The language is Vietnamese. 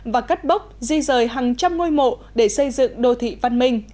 và cất bốc di rời hàng trăm ngôi mộ để xây dựng đô thị văn minh